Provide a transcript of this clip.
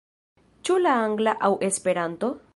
Ĉu la angla aŭ Esperanto?